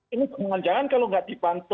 ini kemampuan jangan kalau nggak dibantu